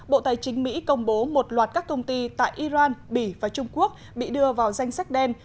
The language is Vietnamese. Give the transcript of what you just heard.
bộ tài chính mỹ công bố một loạt các công ty tại iran bỉ và trung quốc bị đưa vào danh sách đen